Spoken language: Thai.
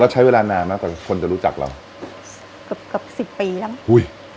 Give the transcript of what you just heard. ใช้เวลานานมากกว่าคนจะรู้จักเราเกือบเกือบสิบปีแล้วอุ้ย